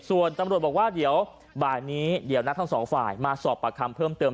ส่วนตำรวจบอกว่าเดี๋ยวบ่ายนี้เดี๋ยวนัดทั้งสองฝ่ายมาสอบปากคำเพิ่มเติม